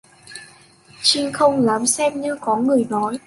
Trinh không dám xem như có người nói